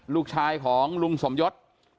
ลูกชายของลุงสมยศ